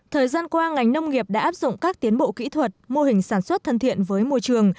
thời gian qua ngành nông nghiệp đã áp dụng các tiến bộ kỹ thuật mô hình sản xuất thân thiện với môi trường